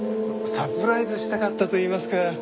サプライズしたかったといいますか。